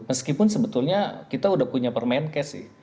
meskipun sebetulnya kita sudah punya permain case